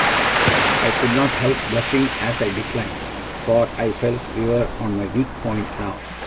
I could not help blushing as I declined, for I felt we were on my weak point, now.